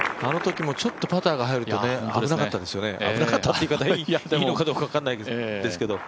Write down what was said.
あのときもちょっとパターが入ると危なかったですよね。